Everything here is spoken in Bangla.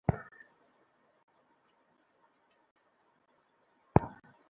বঙ্গোপসাগরে সৃষ্ট লঘুচাপের কারণে রাজধানী ঢাকাসহ দেশের বিভিন্ন স্থানে বৃষ্টি হচ্ছে।